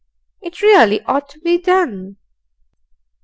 It really ought to be done.